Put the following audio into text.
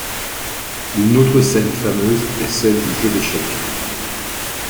Une autre scène fameuse est celle du jeu d'échecs.